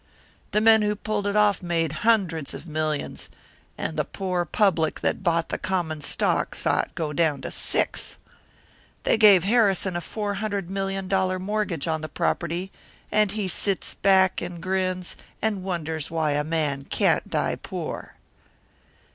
The men who pulled it off made hundreds of millions, and the poor public that bought the common stock saw it go down to six! They gave old Harrison a four hundred million dollar mortgage on the property, and he sits back and grins, and wonders why a man can't die poor!"